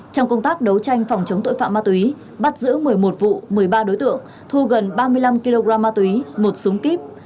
trong công tác đấu tranh phòng chống tội phạm ma túy bắt giữ một mươi một vụ một mươi ba đối tượng thu gần ba mươi năm kg ma túy một súng kíp